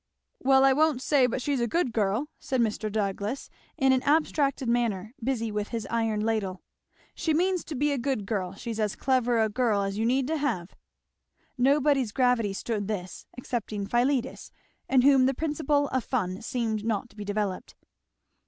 "Well I won't say but she's a good girl," said Mr. Douglass in an abstracted manner, busy with his iron ladle, "she means to be a good girl she's as clever a girl as you need to have!" Nobody's gravity stood this, excepting Philetus, in whom the principle of fun seemed not to be developed.